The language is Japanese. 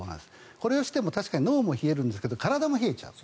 これをしても確かに脳も冷えるんですけど体も冷えちゃう。